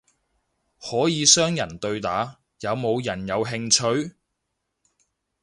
可以雙人對打，有冇人有興趣？